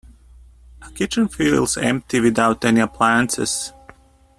A kitchen feels empty without any appliances.